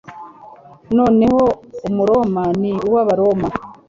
Noneho Umuroma ni uwAbaroma